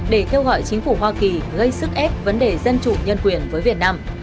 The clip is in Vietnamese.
để kêu gọi chính phủ hoa kỳ gây sức ép vấn đề dân chủ nhân quyền với việt nam